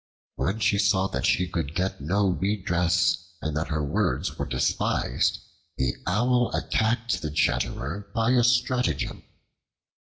When she saw that she could get no redress and that her words were despised, the Owl attacked the chatterer by a stratagem.